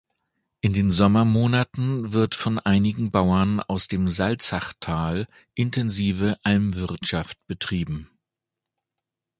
In den Sommermonaten wird von einigen Bauern aus dem Salzachtal intensive Almwirtschaft betrieben.